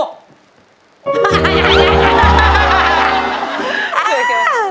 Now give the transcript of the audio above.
เผื่อเจ๋ว